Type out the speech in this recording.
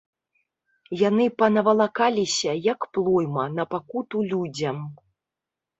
Яны панавалакаліся, як плойма, на пакуту людзям.